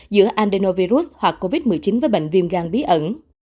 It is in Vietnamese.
giữa andenovirus hoặc covid một mươi chín với bệnh viêm gan bí ẩn